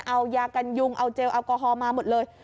เอายากันยุงเอาเจลแอลกอฮอลมาหมดเลย